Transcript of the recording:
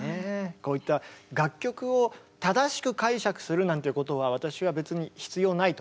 こういった楽曲を正しく解釈するなんていうことは私は別に必要ないと思ってるんですけど。